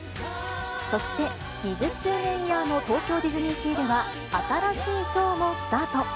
そして、２０周年イヤーの東京ディズニーシーでは、新しいショーもスタート。